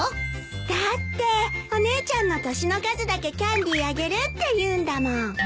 だってお姉ちゃんの年の数だけキャンディーあげるって言うんだもん。